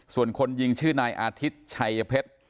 ส่วนคนยิงชื่อนายอาทิตย์ชัยเพชร